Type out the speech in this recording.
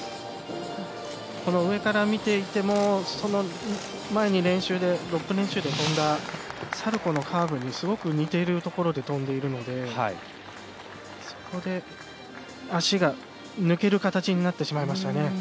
上から見ていてもその前に６分練習で跳んだサルコウのカーブにすごく似ているところで跳んでいるのでそこで足が抜ける形になってしまいましたね。